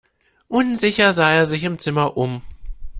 Unsicher sah er sich im Zimmer um.